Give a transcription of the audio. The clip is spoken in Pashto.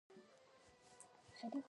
هغه د وېروس ضد وقايوي جامې پر تن کړې وې.